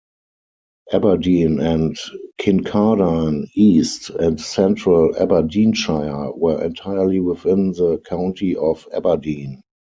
Aberdeen and Kincardine East and Central Aberdeenshire were entirely within the county of Aberdeen.